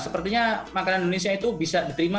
sepertinya makanan indonesia itu bisa diterima